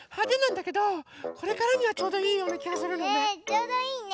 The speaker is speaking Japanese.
ちょうどいいね。